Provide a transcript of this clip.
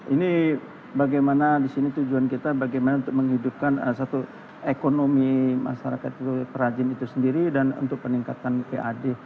ini bagaimana di sini tujuan kita bagaimana untuk menghidupkan satu ekonomi masyarakat perajin itu sendiri dan untuk peningkatan pad